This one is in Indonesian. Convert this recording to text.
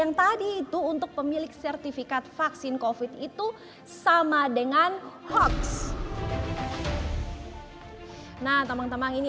yang tadi itu untuk pemilik sertifikat vaksin covid itu sama dengan hoax nah teman teman ini